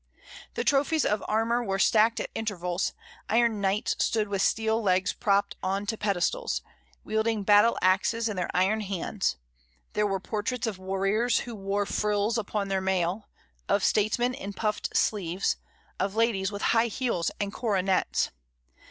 The trophies of armour were stacked at intervals, iron knights stood with steel legs propped on to pedestals, wielding battle axes in their iron hands; there were portraits of warriors who wore frills upon their mail, of states men in puffed sleeves, of ladies with high heels and coronets.